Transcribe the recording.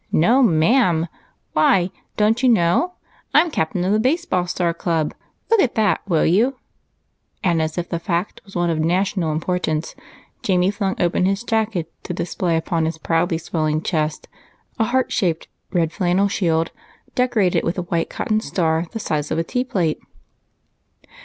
"No, ma'am! Why, don't you know? I'm captain of the Base Ball Star Club. Look at that, will you?" And, as if the fact were one of national importance, Jamie flung open his jacket to display upon his proudly swelling chest an heart shaped red flannel shield decorated with a white cotton star the size of a tea plate.